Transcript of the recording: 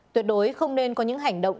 tuyệt đối không nên có những hành động